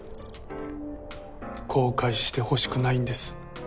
後悔してほしくないんです。